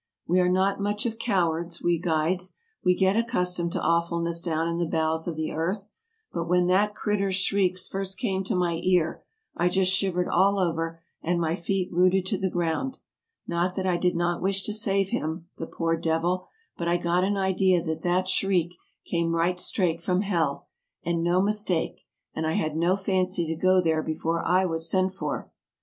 " We are not much of cowards, we guides — we get accustomed to awfulness down in the bowels of the AMERICA 69 earth ; but when that critter s shrieks first came to my ear I just shivered all over and my feet rooted to the ground — not that I did not wish to save him, the poor devil, but I got an idea that that shriek came right straight from hell, and no mistake, and I had no fancy to go there before I was sent for!